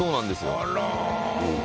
あら。